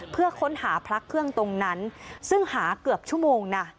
เพื่อค้นหาพระเครื่องตรงนั้นซึ่งหาเกือบชั่วโมงนะ